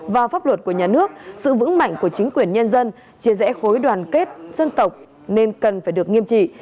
và pháp luật của nhà nước sự vững mạnh của chính quyền nhân dân chia rẽ khối đoàn kết dân tộc nên cần phải được nghiêm trị